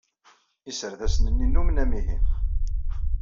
Iserdasen-nni nnumen amihi.